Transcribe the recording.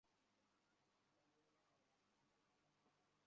চলুন যাই, আসুন, আসুন!